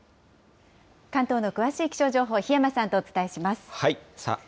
関東の詳しい気象情報、檜山さんとお伝えします。